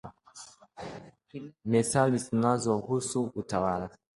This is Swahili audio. Methali zinazohusu Utawala